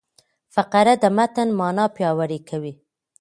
فقره د متن مانا پیاوړې کوي.